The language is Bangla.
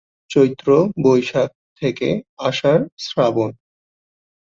চৈত্র/বৈশাখ থেকে আষাঢ়/শ্রাবণ।